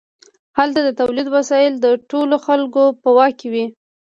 هلته د تولید وسایل د ټولو خلکو په واک کې وي.